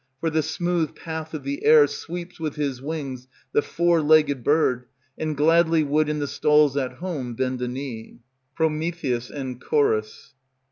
For the smooth path of the air sweeps with his wings The four legged bird; and gladly would In the stalls at home bend a knee. PROMETHEUS and CHORUS.